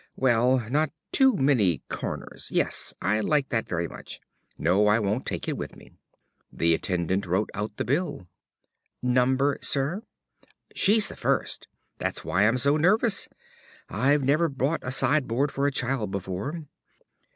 Well, not too many corners.... Yes, I like that very much. No, I won't take it with me." The attendant wrote out the bill. "Number, Sir?" "She's the first. That's why I'm so nervous. I've never bought a sideboard for a child before.